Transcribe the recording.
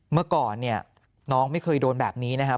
เมื่อก่อนเนี่ยน้องไม่เคยโดนแบบนี้นะครับ